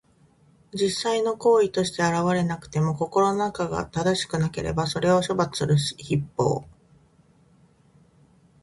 実際の行為として現れなくても、心の中が正しくなければ、それを処罰する筆法。